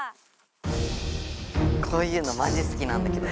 こういうのマジすきなんだけど。